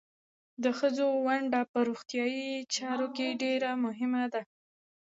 د ښځو ونډه په روغتیايي چارو کې ډېره مهمه ده.